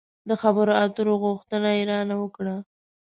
د خبرو اترو غوښتنه يې را نه وکړه.